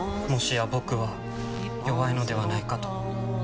もしや僕は弱いのではないかと。